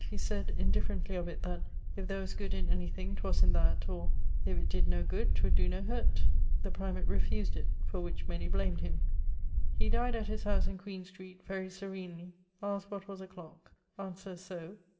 He sayd indifferently of it that 'if there was good in any thing 'twas in that,' or 'if it did no good 'twould doe no hurt.' The primate refused it, for which many blamed him. He dyed at his house in Queen street, very serenely; asked what was a clock, answer so